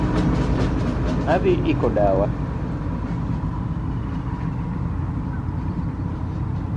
Adhi iko dawa